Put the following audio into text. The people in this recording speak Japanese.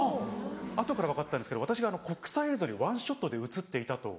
後から分かったんですけど私が国際映像にワンショットで映っていたと。